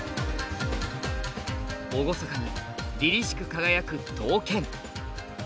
厳かに凜々しく輝く刀剣。